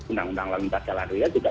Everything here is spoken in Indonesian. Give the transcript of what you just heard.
undang undang lalu lintas jalan raya juga